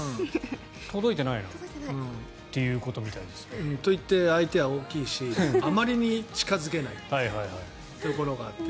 届いてないなということみたいです。といって、相手は大きいしあまりに近付けないところがあって。